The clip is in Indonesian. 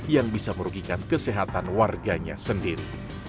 yang bisa merugikan kesehatan warganya sendiri